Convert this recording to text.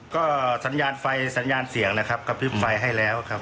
ก็สัญญาณไฟสัญญาณเสี่ยงนะครับกระพริบไฟให้แล้วครับ